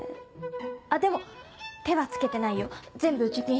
あっでも手はつけてないよ全部貯金してる。